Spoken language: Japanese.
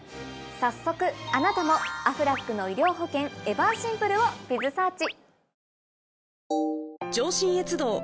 早速あなたもアフラックの医療保険「ＥＶＥＲシンプル」をｂｉｚｓｅａｒｃｈ。